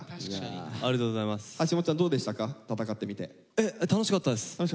え楽しかったです。